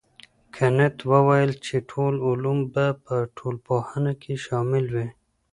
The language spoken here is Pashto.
کنت وويل چي ټول علوم به په ټولنپوهنه کي شامل وي.